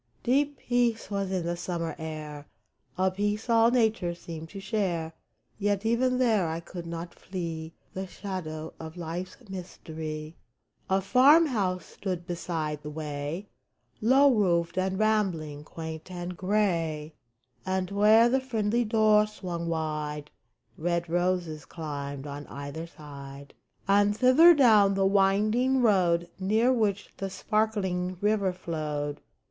Deep peace was in the summer air, A peace all nature seemed to share ; Yet even there I could not flee The shadow of life's mystery ! A farm house stood beside the way, Low roofed and rambling, quaint and gray ; And where the friendly door swung wide Red roses climbed on either side. And thither, down the winding road Near which the sparkling river flowed.